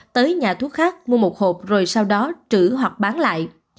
tới nhà thuốc khác mua một hộp rồi sau đó trữ hoặc bán lại